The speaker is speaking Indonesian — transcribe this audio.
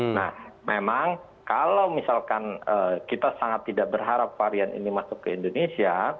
nah memang kalau misalkan kita sangat tidak berharap varian ini masuk ke indonesia